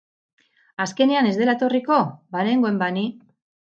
Azkenean ez dela etorriko? Banengoen ba ni!